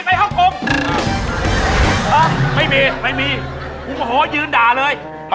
มีความรู้สึกว่า